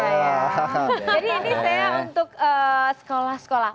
jadi ini saya untuk sekolah sekolah